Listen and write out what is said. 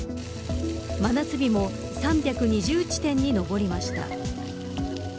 真夏日も３２０地点に上りました。